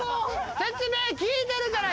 説明聞いてるから今。